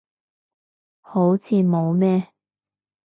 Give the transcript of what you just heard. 好似冇咩